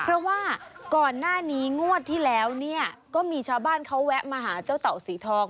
เพราะว่าก่อนหน้านี้งวดที่แล้วก็มีชาวบ้านเขาแวะมาหาเจ้าเต่าสีทอง